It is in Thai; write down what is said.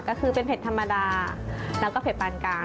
ก็คือเป็นเผ็ดธรรมดาแล้วก็เผ็ดปานกลาง